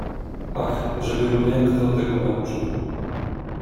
"Ach, żeby mnie kto tego nauczył."